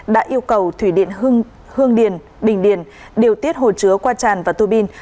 đã yêu cầu thủy điện hương điền bình điền điều tiết hồ chứa qua tràn và tuô bin